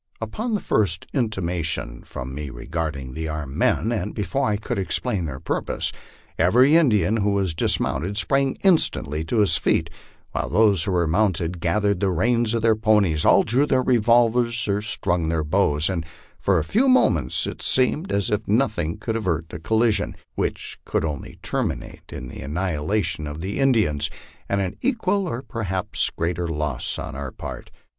Upon the first intimation from me regarding the armed men, and before I could explain their purpose, every Indian who was dismounted sprang instantly to his feet, while Pilose who were mounted gathered the reins of their ponies ; all drew their revolvers or strung their bows, and for a few moments it seemed as if nothing could avert a collision, which could only terminate in the annihilation of the Indi ans, and an equal or perhaps greater loss on our part.